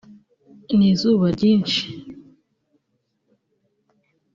n’izuba byinshi